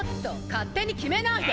勝手に決めないで！